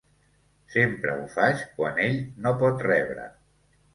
Sempre ho faig, quan ell no pot rebre.